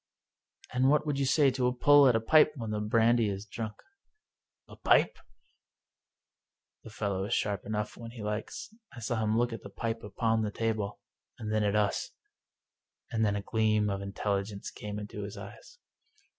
" And what would you say to a pull at a pipe when the brandy is drunk !"" A pipe ?" The fellow is sharp enough when he likes. I saw him look at the pipe upon the table, and then at us, and then a gleam of intelligence came into his eyes.